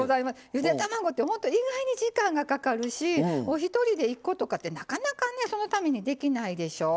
ゆで卵ってほんと意外に時間がかかるしお一人で１個とかってなかなかねそのためにできないでしょ。